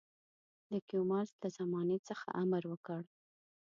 د کیومرث له زمانې څخه امر وکړ.